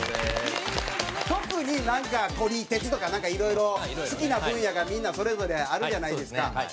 特になんか撮り鉄とかなんか色々好きな分野がみんなそれぞれあるじゃないですか。